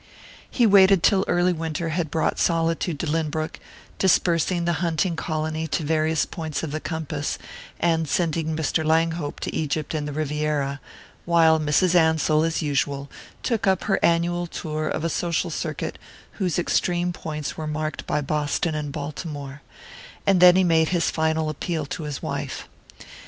He waited till early winter had brought solitude to Lynbrook, dispersing the hunting colony to various points of the compass, and sending Mr. Langhope to Egypt and the Riviera, while Mrs. Ansell, as usual, took up her annual tour of a social circuit whose extreme points were marked by Boston and Baltimore and then he made his final appeal to his wife.